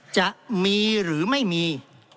จะมีหรือไม่มี